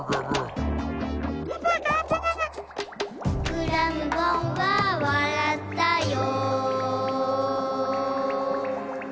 「クラムボンはわらったよ」